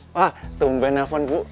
wah tumbang telfon bu